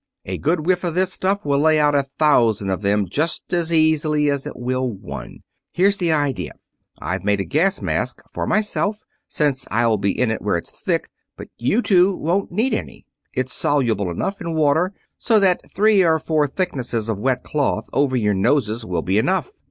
A good whiff of this stuff will lay out a thousand of them just as easily as it will one. Here's the idea. I've made a gas mask for myself, since I'll be in it where it's thick, but you two won't need any. It's soluble enough in water so that three or four thicknesses of wet cloth over your noses will be enough.